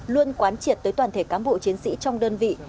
luôn quán triệt tới toàn thể cán bộ chiến sĩ trong đơn vị